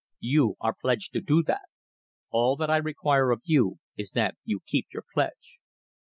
You are pledged to do that. All that I require of you is that you keep your pledge."